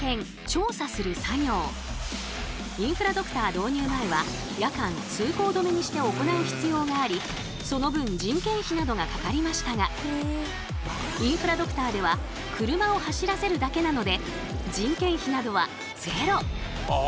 導入前は夜間通行止めにして行う必要がありその分人件費などがかかりましたがインフラドクターでは車を走らせるだけなので人件費などはゼロ。